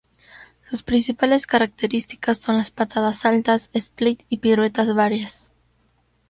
Sus principales características son las patadas altas, split y piruetas varias.